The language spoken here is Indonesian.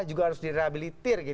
juga harus direhabilitir